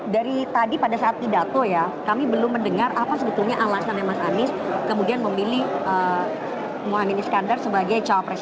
dari tadi pada saat pidato ya kami belum mendengar apa sebetulnya alasannya mas anies kemudian memilih mohaimin iskandar sebagai cawapres